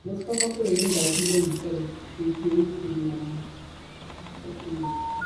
My strong work ethic and patience are also two of my most important qualities.